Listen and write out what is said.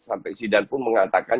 sampai zidane pun mengatakan